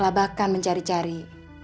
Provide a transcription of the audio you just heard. enggak kelabakan mencari cari